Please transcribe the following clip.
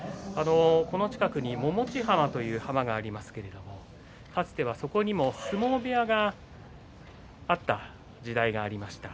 この近くに百道浜という浜がありますけれどもかつては、そこにも相撲部屋があった時代がありました。